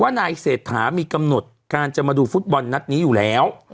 นายเศรษฐามีกำหนดการจะมาดูฟุตบอลนัดนี้อยู่แล้ว